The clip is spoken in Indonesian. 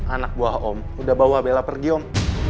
anak buah om udah bawa bella pergi om